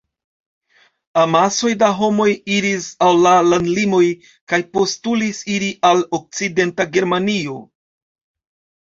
Amasoj da homoj iris al la landlimoj kaj postulis iri al okcidenta Germanio.